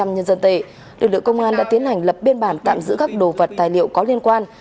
ba năm trăm linh nhân dân tệ lực lượng công an đã tiến hành lập biên bản tạm giữ các đồ vật tài liệu có liên quan